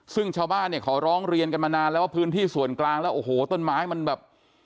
ซึ่งชาวบ้านเนี่ยขอร้องเรียนกันมานานแล้วว่าพื้นที่ส่วนกลางแล้วโอ้โหต้นไม้มันแบบ